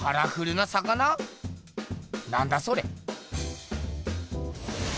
なんだそれ。